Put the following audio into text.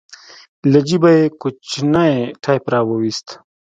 له جيبه يې کوچنى ټېپ راوايست.